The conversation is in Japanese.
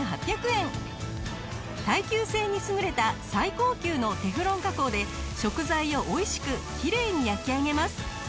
耐久性に優れた最高級のテフロン加工で食材を美味しくきれいに焼き上げます。